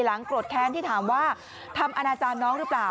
โกรธแค้นที่ถามว่าทำอนาจารย์น้องหรือเปล่า